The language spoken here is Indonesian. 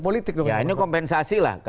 politik dong ya ini kompensasi lah